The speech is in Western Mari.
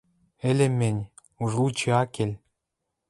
Ӹлем мӹнь — уж лучи ак кел —